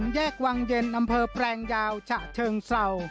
แยกวังเย็นอำเภอแปลงยาวฉะเชิงเศร้า